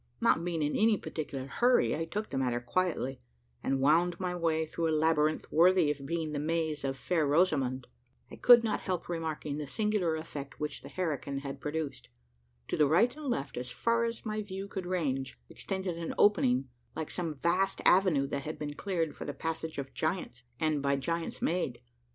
Not being in any particular hurry, I took the matter quietly; and wound my way through a labyrinth worthy of being the maze of Fair Rosamond. I could not help remarking the singular effect which the herrikin had produced. To the right and left, as far as my view could range, extended an opening, like some vast avenue that had been cleared for the passage of giants, and by giants made!